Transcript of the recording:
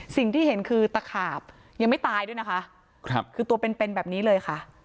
สิ่งที่เห็นคือตะขาบยังไม่ตายด้วยนะคะครับคือตัวเป็นเป็นแบบนี้เลยค่ะ